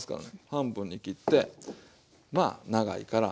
半分に切ってまあ長いから。